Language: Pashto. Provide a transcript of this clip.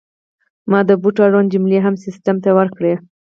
ما د بوټو اړوند جملې هم سیستم ته ورکړې.